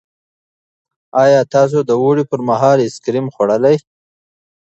ایا تاسو د اوړي پر مهال آیس کریم خوړلي دي؟